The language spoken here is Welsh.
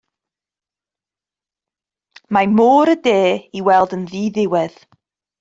Mae Môr y De i weld yn ddiddiwedd.